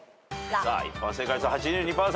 さあ一般正解率は８２％。